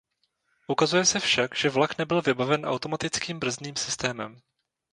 Ukazuje se však, že vlak nebyl vybaven automatickým brzdným systémem.